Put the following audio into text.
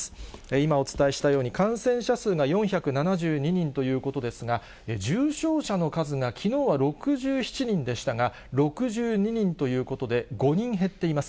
今お伝えしたように、感染者数が４７２人ということですが、重症者の数が、きのうは６７人でしたが、６２人ということで、５人減っています。